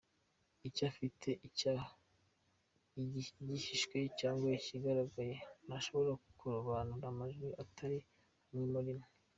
Iyo afite icyaha, igihishwe cyangwa ikigaragaye, ntashobora kurobanura amajwi atari amwe muri we.